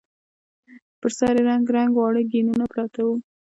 پر سر يې رنګ رنګ واړه ګېنونه پراته وو.